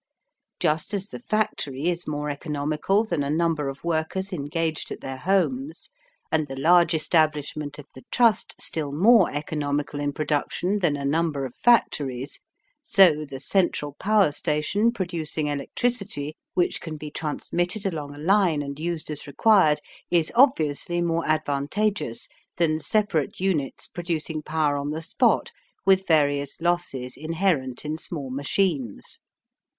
Just as the factory is more economical than a number of workers engaged at their homes, and the large establishment of the trust still more economical in production than a number of factories, so the central power station producing electricity which can be transmitted along a line and used as required is obviously more advantageous than separate units producing power on the spot with various losses inherent in small machines.